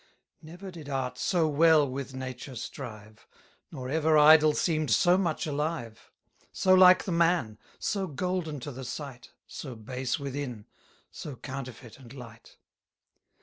Never did art so well with nature strive; Nor ever idol seem'd so much alive: So like the man; so golden to the sight, So base within, so counterfeit and light.